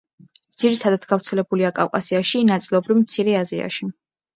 ძირითადად გავრცელებულია კავკასიაში, ნაწილობრივ მცირე აზიაში.